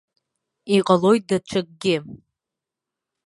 Иҟалоит даҽакгьы.